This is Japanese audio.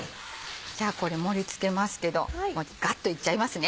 じゃあこれ盛り付けますけどガッといっちゃいますね